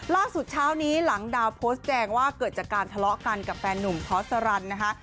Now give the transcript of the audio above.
เช้านี้หลังดาวโพสต์แจ้งว่าเกิดจากการทะเลาะกันกับแฟนนุ่มพอสรันนะคะ